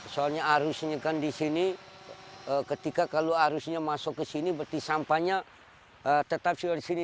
soalnya arusnya kan di sini ketika kalau arusnya masuk ke sini berarti sampahnya tetap sudah di sini